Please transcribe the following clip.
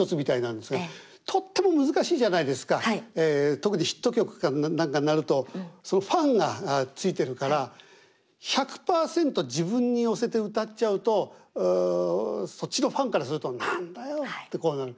特にヒット曲か何かになるとそのファンがついてるから１００パーセント自分に寄せて歌っちゃうとそっちのファンからすると「何だよ」ってこうなる。